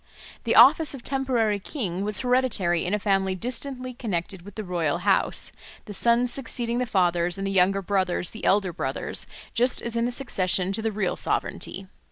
The office of temporary king was hereditary in a family distantly connected with the royal house, the sons succeeding the fathers and the younger brothers the elder brothers just as in the succession to the real sovereignty.